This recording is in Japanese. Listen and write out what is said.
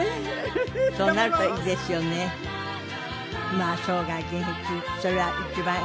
まあ生涯現役それが一番。